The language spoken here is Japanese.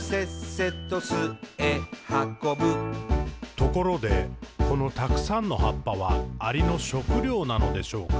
「ところで、このたくさんの葉っぱは、アリの食料なのでしょうか？